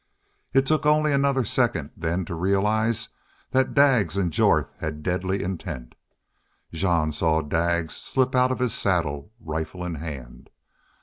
It took only another second then to realize that Daggs and Jorth had deadly intent. Jean saw Daggs slip out of his saddle, rifle in hand.